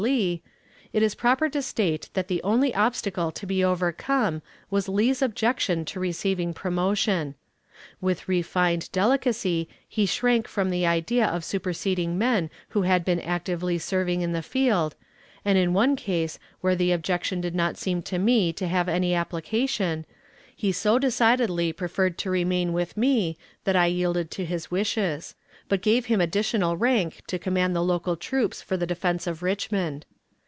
Lee, it is proper to state that the only obstacle to be overcome was Lee's objection to receiving promotion. With refined delicacy he shrank from the idea of superseding men who had been actively serving in the field, and in one case where the objection did not seem to me to have any application, he so decidedly preferred to remain with me, that I yielded to his wishes; but gave him additional rank to command the local troops for the defense of Richmond.